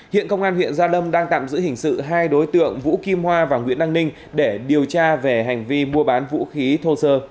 hiện công an huyện gia lâm đang tạm giữ hình sự hai đối tượng vũ kim hoa và nguyễn đăng ninh để điều tra về hành vi mua bán vũ khí thô sơ và công cụ hỗ trợ